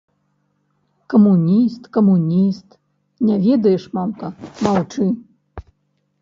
Камуніст, камуніст, не ведаеш, мамка, маўчы!